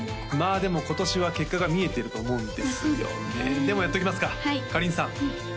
まあでも今年は結果が見えてると思うんですよねでもやっときますかかりんさん